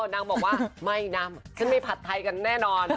นางบอกว่าไม่นามเดี๋ยวไม่ผัดใจกันแน่นอน